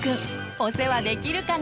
お世話できるかな。